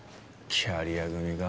キャリア組か。